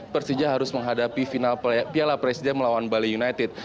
persija harus menghadapi final piala presiden melawan bali united